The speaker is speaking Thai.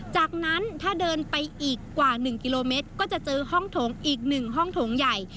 จากนั้นถ้าเดินไปอีกกว่า๑กิโลเมตรก็จะเจอห้องโถงอีก๑ห้องโถงใหญ่